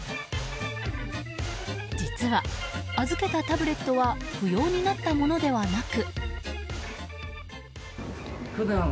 実は、預けたタブレットは不要になったものではなく。